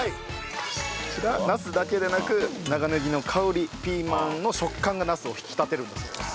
こちらナスだけでなく長ネギの香りピーマンの食感がナスを引き立てるんだそうです。